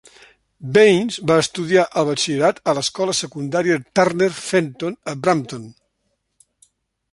Bains va estudiar el batxillerat a l'Escola de Secundària de Turner Fenton a Brampton.